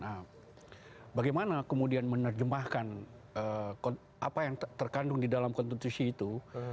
nah bagaimana kemudian menerjemahkan apa yang terkandung di dalam konstitusi itu